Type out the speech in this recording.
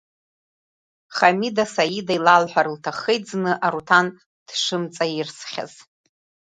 Ҳамида, Саида илалҳәар лҭаххеит зны, Аруҭан дшымҵаирсхьаз.